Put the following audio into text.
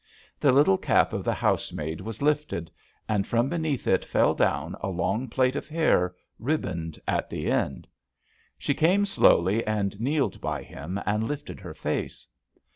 The little cap of the housemaid was lifted, and from beneath it fell down a long plait of hair, ribboned at the end. She came slowly and kneeled by him and lifted her face.